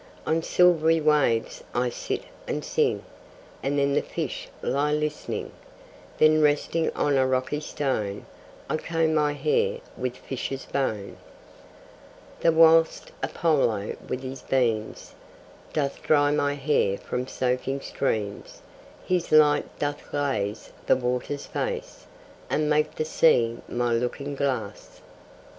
On silvery waves I sit and sing, And then the fish lie listening: Then resting on a rocky stone I comb my hair with fishes' bone; The whilst Apollo with his beams Doth dry my hair from soaking streams, His light doth glaze the water's face, And make the sea my looking glass.